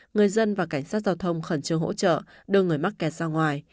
người dân và cảnh sát giao thông khẩn trương hỗ trợ đưa người mắc kẹt ra ngoài